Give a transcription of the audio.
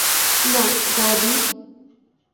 না, গর্ডি!